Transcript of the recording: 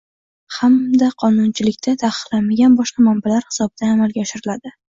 hamda qonunchilikda taqiqlanmagan boshqa manbalar hisobidan amalga oshiriladi.